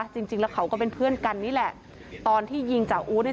จริงแล้วเขาก็เป็นเพื่อนกันนี่แหละตอนที่ยิงจ่าอู๊ดเนี่ย